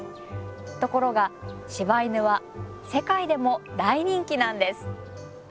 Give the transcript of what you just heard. ところが柴犬は世界でも大人気なんです。